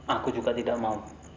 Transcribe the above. aku juga tidak mau